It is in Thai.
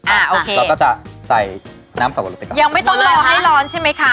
โอเคเราก็จะใส่น้ำสับปะรดไปก่อนยังไม่ต้องรอให้ร้อนใช่ไหมคะ